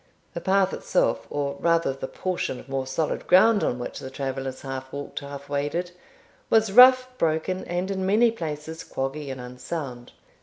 The path itself, or rather the portion of more solid ground on which the travellers half walked, half waded, was rough, broken, and in many places quaggy and unsound.